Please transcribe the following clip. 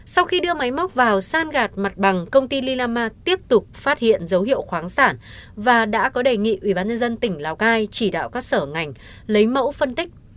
sau khi đưa máy móc vào san gạt mặt bằng công ty lilama tiếp tục phát hiện dấu hiệu khoáng sản và đã có đề nghị ubnd tỉnh lào cai chỉ đạo các sở ngành lấy mẫu phân tích